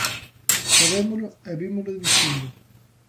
Sabémolo e vímolo dicindo.